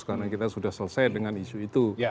karena kita sudah selesai dengan isu itu